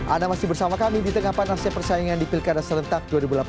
anda masih bersama kami di tengah panasnya persaingan di pilkada serentak dua ribu delapan belas